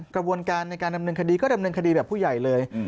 กระบวนการในการดำเนินคดีก็ดำเนินคดีแบบผู้ใหญ่เลย